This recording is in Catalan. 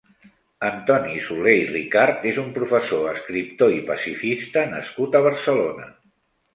Antoni Soler i Ricart és un professor, escriptor i pacifista nascut a Barcelona.